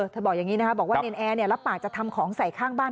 บอกอย่างนี้นะคะบอกว่าเนรนแอร์รับปากจะทำของใส่ข้างบ้าน